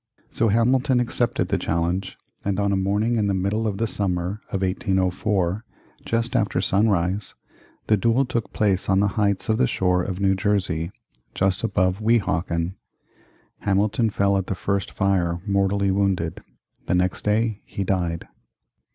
So Hamilton accepted the challenge and on a morning in the middle of the summer of 1804, just after sunrise, the duel took place on the heights of the shore of New Jersey, just above Weehawken. Hamilton fell at the first fire mortally wounded. The next day he died.